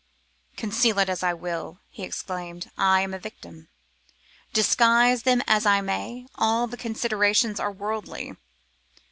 'Conceal it as I will,' he exclaimed, 'I am a victim; disguise them as I may, all the considerations are worldly.